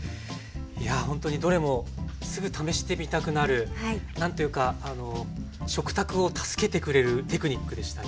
いやほんとにどれもすぐ試してみたくなる何ていうか食卓を助けてくれるテクニックでしたね。